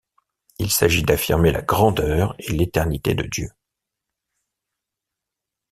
Il s'agit d'affirmer la grandeur et l'éternité de Dieu.